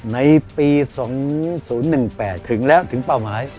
ในปี๒๐๑๘ถึงแล้วถึงเป้าหมาย